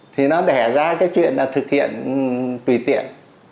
thì nó đẻ ra cái chuyện là thực hiện tùy tiện